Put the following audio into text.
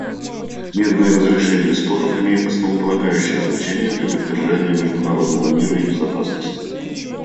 Мирное разрешение споров имеет основополагающее значение для поддержания международного мира и безопасности.